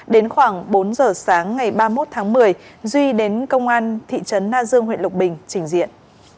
đến khoảng bốn giờ sáng ngày ba mươi một tháng một mươi duy đến công an thị trấn na dương huyện lục bình trình diện